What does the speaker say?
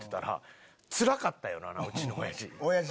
つらかったんやろなうちの親父。